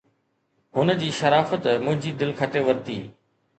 هن جي شرافت منهنجي دل کٽي ورتي